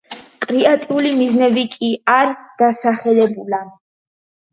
კონკრეტული მიზეზები კი არ დასახელებულა.